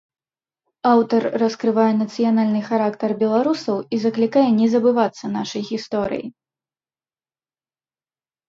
Аўтар раскрывае нацыянальны характар беларусаў і заклікае не забывацца нашай гісторыі.